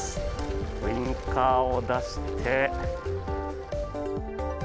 ウィンカーを出して。